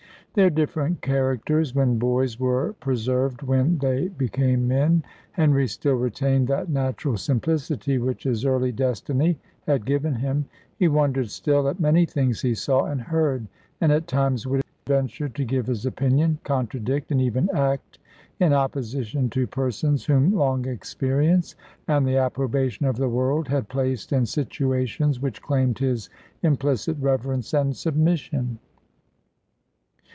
Their different characters, when boys, were preserved when they became men: Henry still retained that natural simplicity which his early destiny had given him; he wondered still at many things he saw and heard, and at times would venture to give his opinion, contradict, and even act in opposition to persons whom long experience and the approbation of the world had placed in situations which claimed his implicit reverence and submission.